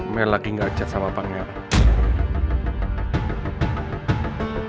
mel lagi gak chat sama pangeran